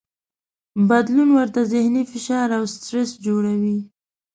بدلون ورته ذهني فشار او سټرس جوړوي.